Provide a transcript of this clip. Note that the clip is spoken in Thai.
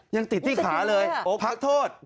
ยังติดที่ขาเลยโอ้พักโทษ